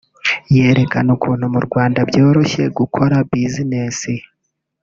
yerekana ukuntu mu Rwanda byoroshye gukora business